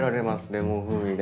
レモン風味で。